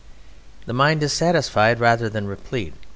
The mind is satisfied rather than replete.